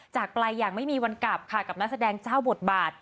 จากไปอย่างไม่มีวันกลับค่ะกับนักแสดงเจ้าบทบาท